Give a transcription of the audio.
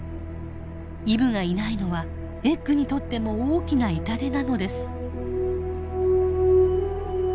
イブがいないのはエッグにとっても大きな痛手なのです。